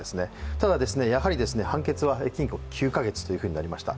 ただ、判決は禁錮９か月となりました。